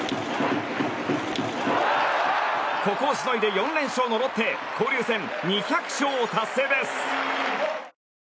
ここをしのいで４連勝のロッテ交流戦２００勝を達成です。